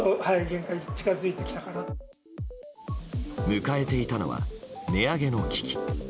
迎えていたのは、値上げの危機。